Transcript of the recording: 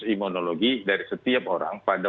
imunologi dari setiap orang pada